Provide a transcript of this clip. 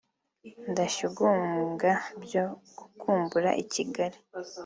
ndashyugumbwa byo gukumbura i Kigali